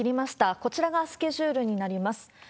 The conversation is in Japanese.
こちらがスケジュールになります。